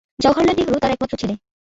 জওহরলাল নেহরু তার একমাত্র ছেলে।